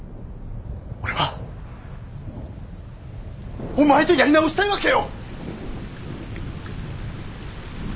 俺はお前とやり直したいわけよ！